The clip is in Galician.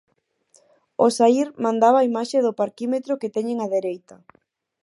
Ao saír mandaba a imaxe do parquímetro que teñen á dereita.